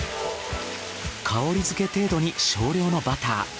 香りづけ程度に少量のバター。